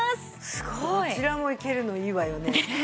すごい！どちらもいけるのいいわよね。